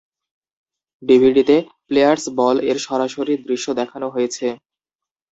ডিভিডিতে "players ball" এর সরাসরি দৃশ্য দেখানো হয়েছে।